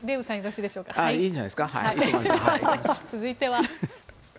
続いては。